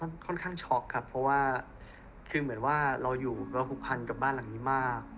มันค่อนข้างช็อกครับเพราะว่าคือเหมือนว่าเราอยู่เราผูกพันกับบ้านหลังนี้มาก